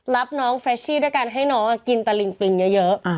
รับน้องเฟรชชี่ด้วยการให้น้องกินตะลิงปริงเยอะ